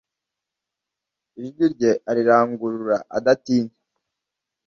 Ijwi rye arirangurura adatinya